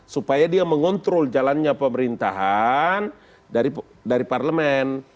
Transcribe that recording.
supaya dia mengontrol jalannya pemerintahan dari parlemen